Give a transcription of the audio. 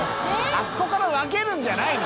あそこから分けるんじゃないの？